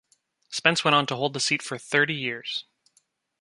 Spence went on to hold the seat for thirty years.